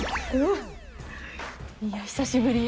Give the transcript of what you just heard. いや久しぶり。